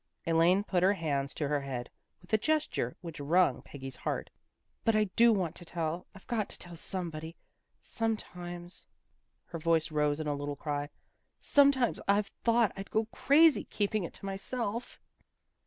Elaine put her hands to her head, with a gesture which wrung Peggy's heart. " But I do want to tell. I've got to tell somebody. Sometimes " her voice rose in a little cry " Sometimes I've thought I'd go crazy, keeping it to myself."